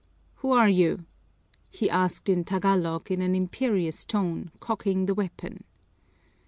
"Who are you?" he asked in Tagalog in an imperious tone, cocking the weapon.